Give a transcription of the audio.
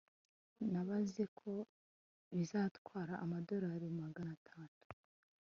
nabaze ko bizatwara amadorari magana atatu